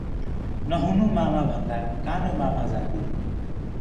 नहुनु मामा भन्दा कानो मामा जाति